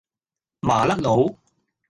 麻甩佬